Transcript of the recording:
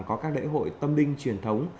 có các lễ hội tâm linh truyền thống